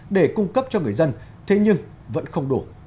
để cung cấp cho người dân thế nhưng vẫn không đủ